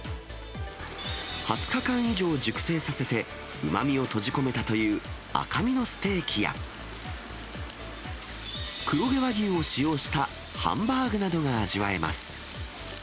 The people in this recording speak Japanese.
２０日間以上熟成させて、うまみを閉じ込めたという赤身のステーキや、黒毛和牛を使用したハンバーグなどが味わえます。